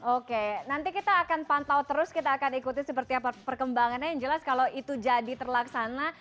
oke nanti kita akan pantau terus kita akan ikuti seperti apa perkembangannya yang jelas kalau itu jadi terlaksana